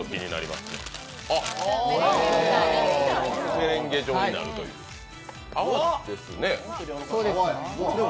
メレンゲ状になるという、泡ですね。